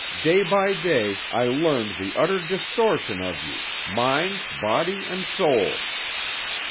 Day by day I learned the utter distortion of you, mind, body, and soul.